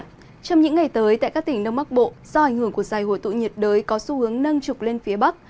trong những ngày tới tại các tỉnh đông bắc bộ do ảnh hưởng của dài hồi tụ nhiệt đới có xu hướng nâng trục lên phía bắc